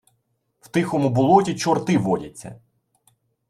В тихому болоті чорти водяться.